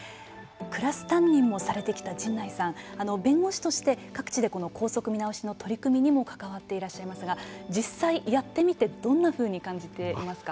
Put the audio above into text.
クラス担任もされてきた神内さん弁護士として各地で校則見直しの取り組みにも関わっていらっしゃいますが実際やってみてどんなふうに感じていますか。